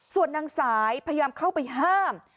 ส่วนนางสายพยายามเข้าไปห้าม